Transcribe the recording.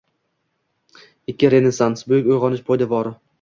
Ikki Renessans — buyuk Uygʻonish poydevori